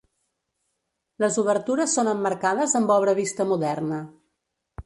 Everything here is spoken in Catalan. Les obertures són emmarcades amb obra vista moderna.